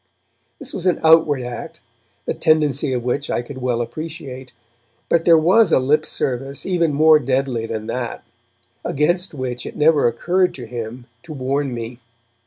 This was an outward act, the tendency of which I could well appreciate, but there was a 'lip service' even more deadly than that, against which it never occurred to him to warn me.